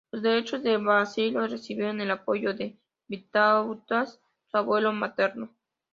Los derechos de Basilio recibieron el apoyo de Vitautas, su abuelo materno.